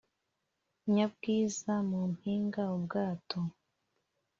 Nyabwiza mu mpinga-Ubwato.